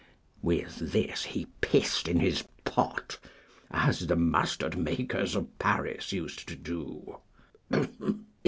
With this he pissed in his pot, as the mustard makers of Paris used to do.